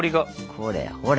これほら。